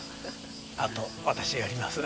あと私がやります。